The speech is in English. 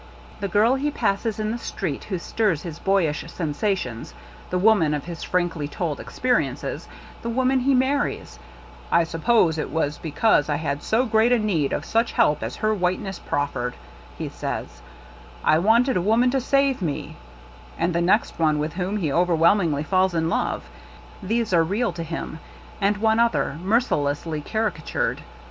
The girl he passes in the street who stirs his boyish sensations ; the women of his frankly told experiences ; the woman he marries — "I suppose it was because I had so great a need of such help as her whiteness proffered," he says ; "I wanted a woman to save me ;"— and the next one with whom he overwhelmingly falls in love; these are real to him ; and one other, mercilessly caricatured.